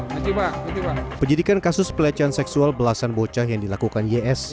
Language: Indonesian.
penyidikan kasus pelecehan seksual belasan bocah yang dilakukan ys